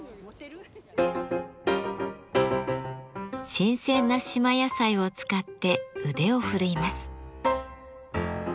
新鮮な島野菜を使って腕を振るいます。